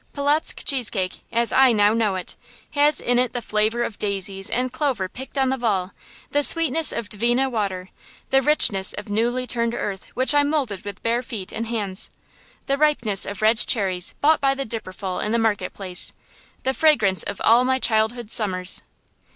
Polotzk cheese cake, as I now know it, has in it the flavor of daisies and clover picked on the Vall; the sweetness of Dvina water; the richness of newly turned earth which I moulded with bare feet and hands; the ripeness of red cherries bought by the dipperful in the market place; the fragrance of all my childhood's summers.